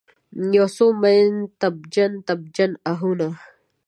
یوڅو میین، تبجن، تبجن آهونه